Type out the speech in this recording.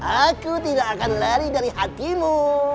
aku tidak akan lari dari hatimu